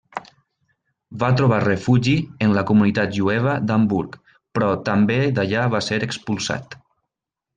Va trobar refugi en la comunitat jueva d'Hamburg, però també d'allà va ser expulsat.